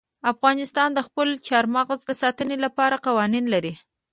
افغانستان د خپلو چار مغز د ساتنې لپاره قوانین لري.